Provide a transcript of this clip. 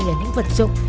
là những vật dụng